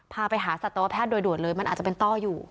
พาไปหาสัตวแพทย์โดยด่วนเลยมันอาจจะเป็นต้ออยู่